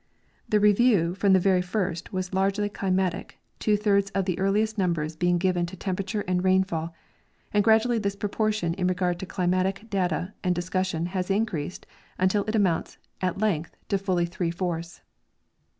The Review from the very first was largely climatic, two thirds of the earliest numbers being given to temperature and rainfall, and gradually this proportion in regard to climatic data and discussion has increased until it amounts at length to fully three fourths.